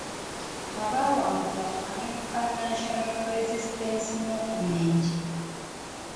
Abaawangulwa mu kamyufu ka National Resistance Movement.